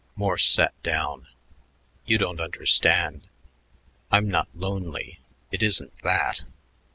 Morse sat down. "You don't understand. I'm not lonely. It isn't that.